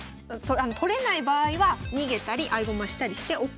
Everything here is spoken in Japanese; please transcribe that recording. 取れない場合は逃げたり合駒したりしてＯＫということで。